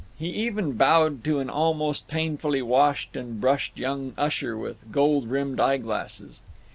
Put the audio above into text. He even bowed to an almost painfully washed and brushed young usher with gold rimmed eye glasses.